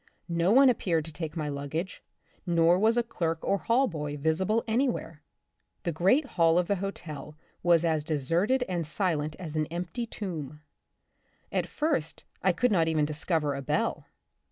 No one appeared to take my luggage, nor was a clerk or hall boy visible anywhere. The great hall of the hotel was as deserted and silent as an empty tomb ; at first I could not even dis cover a bell.